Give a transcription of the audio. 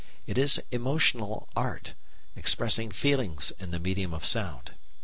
It is emotional art, expressing feelings in the medium of sound.